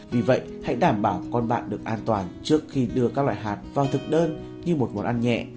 vì vậy hãy đảm bảo con bạn được an toàn trước khi đưa các loại hạt vào thực đơn như một món ăn nhẹ